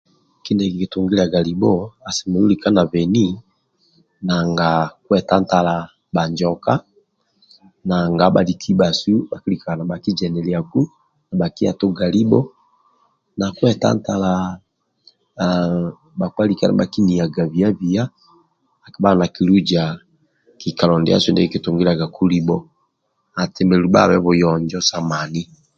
Kindie kikitungilaga livho asemelelu lika nabeni nanga kwetantala bhanjoka nanga bhaniki ndibhasu bhakilikaga nibhakijeniliaku nibhakiya tuga libho na kwetentala haa haa bhakpa lika nibhakiniaga bia bia akibhaga nakiluza kikalo ndiasu ndie kikitugiliagaku libho asemelelu bhabhe buyonjo sa mani